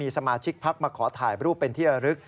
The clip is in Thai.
สมาชิกพักมาขอถ่ายรูปเป็นที่ระลึก